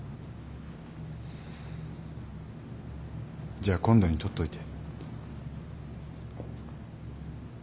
じゃあ今度に取っといて。